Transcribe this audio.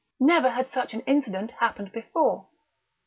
Never had such an incident happened before.